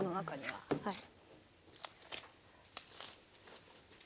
はい。